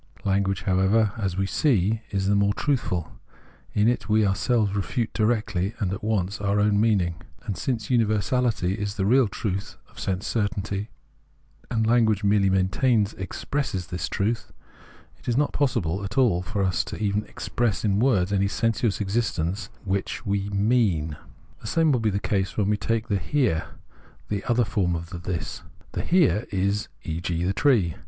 Language, however, as we see, is the more truthful ; in it we ourselves refute directly and at once our own " meaning "; and since universahty is the real truth of sense certainty, and language merely expresses this truth, it is not possible at all for us even to express in words any sensuous existence which we " mean." The same will be the case when we take the Here, the other form of the This. The Here is e.g. the tree.